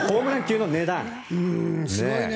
すごいね。